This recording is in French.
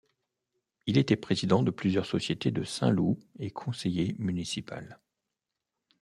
Il était président de plusieurs sociétés de Saint-Loup et conseiller municipal.